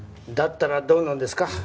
だったらどうなんですか？